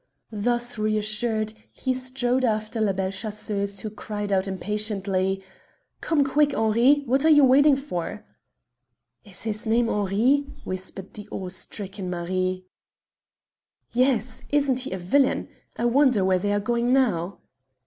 Thus reassured, he strode after La Belle Chasseuse, who cried out impatiently: "Come quick, Henri; what are you waiting for?" "Is his name Henri?" whispered the awe stricken Marie. "Yes. Isn't he a villain? I wonder where they are going now!"